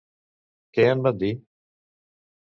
Què en van dir?